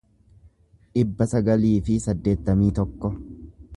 dhibba sagalii fi saddeettamii tokko